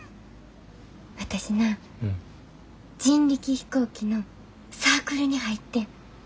私な人力飛行機のサークルに入ってん。